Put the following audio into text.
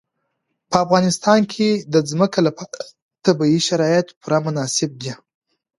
په افغانستان کې د ځمکه لپاره طبیعي شرایط پوره مناسب دي.